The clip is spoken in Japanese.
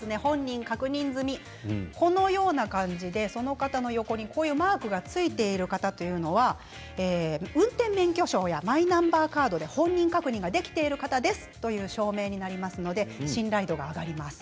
本人確認済みというマークがついている方は運転免許証やマイナンバーカードで本人確認ができている方ですという証明になりますので信頼度が上がります。